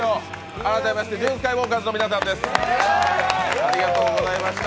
改めましてＪＵＮＳＫＹＷＡＬＫＥＲの皆さんです。